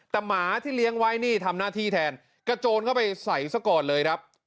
แต่หมาที่เลี้ยงไว้นี่ทำหน้าที่แทนกระโจนเข้าไปใส่ซะก่อนเลยครับ